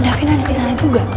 daphine ada di sana juga